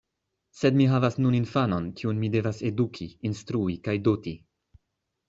Sed mi havas nun infanon, kiun mi devas eduki, instrui kaj doti.